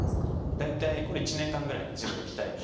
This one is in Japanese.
大体これ１年間ぐらいジムで鍛えて。